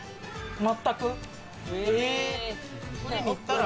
全く。